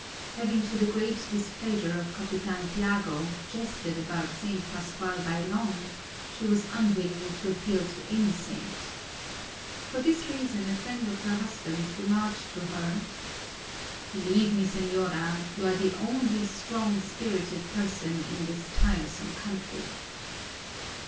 Having to the great displeasure of Capitan Tiago jested about St. Pascual Bailon, she was unwilling to appeal to any saint. For this reason a friend of her husband's remarked to her: "Believe me, señora, you are the only strong spirited person in this tiresome country."